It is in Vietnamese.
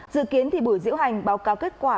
dự kiến buổi diễu hành báo cáo kết quả